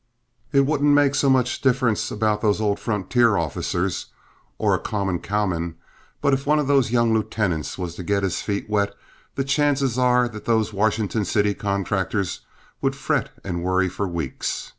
It wouldn't make so much difference about those old frontier officers or a common cowman, but if one of those young lieutenants was to get his feet wet, the chances are that those Washington City contractors would fret and worry for weeks.